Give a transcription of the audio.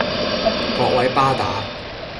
各位巴打